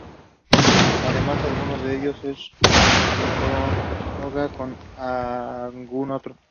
Además, ninguno de ellos es ortogonal con algún otro.